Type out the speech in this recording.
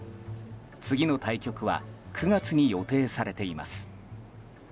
次の対局は９月に予定されています。